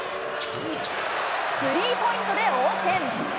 スリーポイントで応戦。